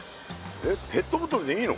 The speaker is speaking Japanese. えっペットボトルでいいの？